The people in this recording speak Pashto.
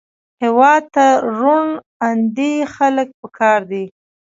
هېواد ته روڼ اندي خلک پکار دي